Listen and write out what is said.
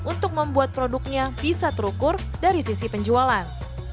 untuk membuat produknya bisa terukur dari sisi penjualan